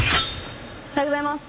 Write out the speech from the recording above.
おはようございます。